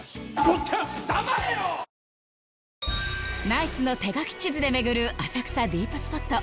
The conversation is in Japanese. ナイツの手書き地図で巡る浅草ディープスポット